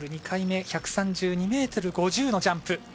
２回目１３２ｍ５０のジャンプ。